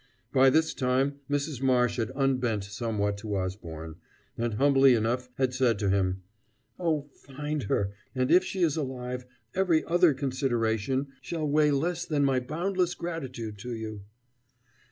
By this time Mrs. Marsh had unbent somewhat to Osborne, and humbly enough had said to him, "Oh, find her, and if she is alive, every other consideration shall weigh less than my boundless gratitude to you!"